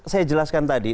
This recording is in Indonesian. saya jelaskan tadi